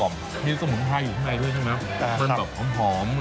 มีสมุนไพรอยู่ข้างในด้วยใช่ไหมมันแบบหอม